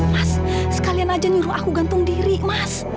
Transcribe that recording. mas sekalian aja nyuruh aku gantung diri mas